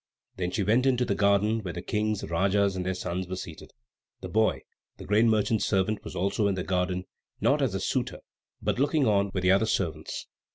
Then she went into the garden where the Kings, Rajas, and their sons were seated. The boy, the grain merchant's servant, was also in the garden: not as a suitor, but looking on with the other servants.